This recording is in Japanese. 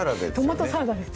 トマトサラダです